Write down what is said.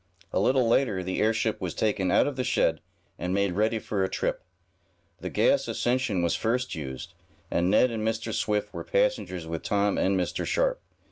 A little later the airship was taken out of the shed, and made ready for a trip. The gas ascension was first used, and Ned and Mr. Swift were passengers with Tom and Mr. Sharp.